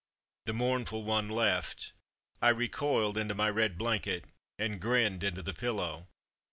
The mournful one left. I recoiled into my red blanket and grinned into the pillow.